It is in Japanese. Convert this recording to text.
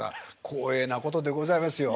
光栄なことでございますよ。